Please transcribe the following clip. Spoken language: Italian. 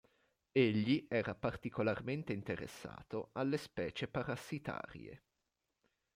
Egli era particolarmente interessato alle specie parassitarie.